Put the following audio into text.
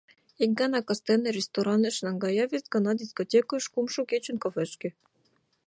Ик гана кастене рестораныш наҥгая, вес гана — дискотекыш, кумшо кечын — кафешке.